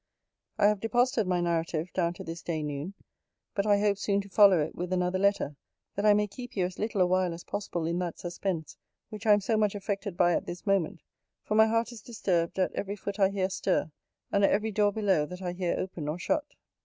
I have deposited my narrative down to this day noon; but I hope soon to follow it with another letter, that I may keep you as little a while as possible in that suspense which I am so much affected by at this moment: for my heart is disturbed at ever foot I hear stir; and at every door below that I hear open or shut.